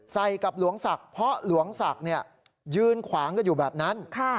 กับหลวงศักดิ์เพราะหลวงศักดิ์ยืนขวางกันอยู่แบบนั้น